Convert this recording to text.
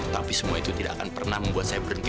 tapi semua itu tidak akan pernah membuat saya berhenti